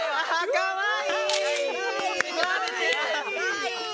かわいい！